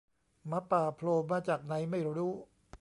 หมาป่าโผล่มาจากไหนไม่รู้